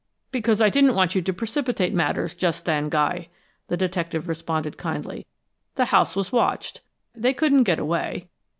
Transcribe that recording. "Because I didn't want you to precipitate matters just then, Guy," the detective responded, kindly. "The house was watched they couldn't get away."